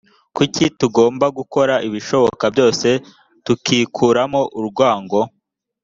kuki tugomba gukora ibishoboka byose tukikuramo urwango